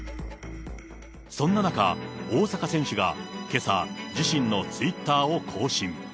そんな中、大坂選手がけさ、自身のツイッターを更新。